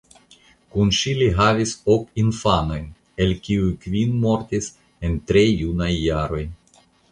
Kun ŝi li havis ok infanojn el kiuj kvin mortis en tre junaj jaroj.